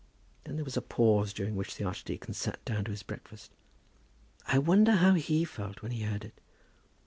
Then there was a pause, during which the archdeacon sat down to his breakfast. "I wonder how he felt when he heard it?"